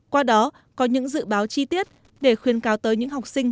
qua đó có những dự báo chi tiết để khuyên cáo tới những học sinh